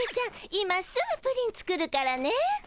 今すぐプリン作るからね。